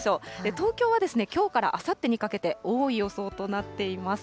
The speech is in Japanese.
東京はきょうからあさってにかけて多い予想となっています。